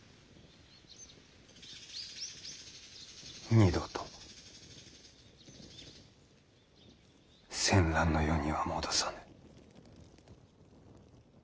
二度と戦乱の世には戻さぬ。